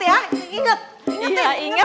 iya inget ya inget